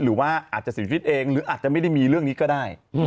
หรือว่าอาจจะเสียชีวิตเองหรืออาจจะไม่ได้มีเรื่องนี้ก็ได้